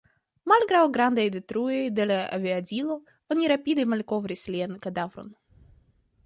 Malgraŭ grandaj detruoj de la aviadilo oni rapide malkovris lian kadavron.